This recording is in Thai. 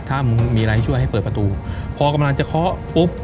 ถ้ามึงมีอะไรช่วยให้เปิดประตูพอกำลังจะเคาะปุ๊บ